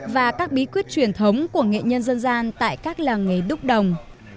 và các bí quyết truyền thống của nghệ nhân dân gian tại các làng nghề đúc đồng